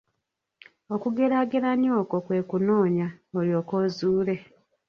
Okugeraageranya okwo kwe kunoonya, olyoke ozuule.